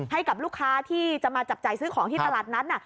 ให้กับลูกค้าที่จะมาจับจ่ายซื้อของที่ตลาดนั้น